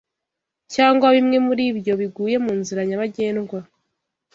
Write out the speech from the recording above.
cyangwa bimwe muri ibyo biguye mu nzira nyabagendwa